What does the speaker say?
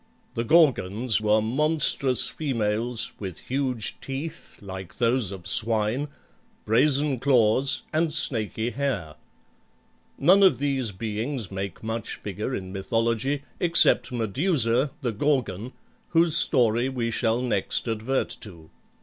The Gorgons were monstrous females with huge teeth like those of swine, brazen claws, and snaky hair. None of these beings make much figure in mythology except Medusa, the Gorgon, whose story we shall next advert to.